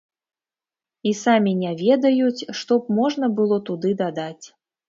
І самі не ведаюць, што б можна было туды дадаць.